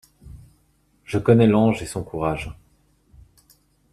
Je connais l'ange et son courage.